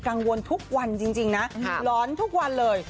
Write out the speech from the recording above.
กังวลทุกวันจริงนะร้อนทุกวันเลย